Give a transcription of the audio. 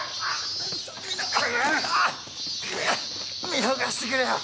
見逃してくれよ。